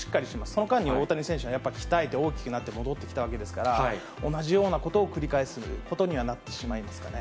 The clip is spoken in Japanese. その間に大谷選手は鍛えて大きくなって戻ってきたわけですから、同じようなことを繰り返すことにはなってしまいますかね。